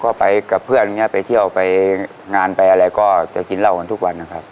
ก็ไปกับเพื่อนอย่างนี้ไปเที่ยวไปงานไปอะไรก็จะกินเหล้ากันทุกวันนะครับ